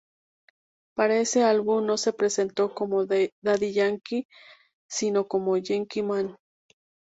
Para ese álbum no se presentó como Daddy Yankee sino como "Yankee Man".